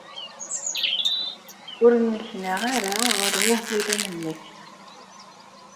Ur nneknaɣ ara ɣer wuguren-nnek.